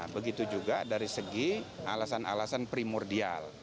begitu juga dari segi alasan alasan primordial